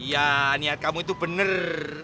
iya niat kamu itu bener